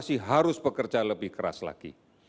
masih harus bekerja lebih keras lagi